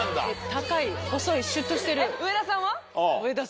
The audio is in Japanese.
高い細いシュっとしてる。